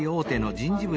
人事部。